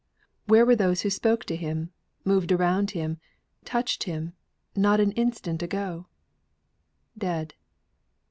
Where were those who spoke to him, moved around him, touched him, not an instant ago? Dead!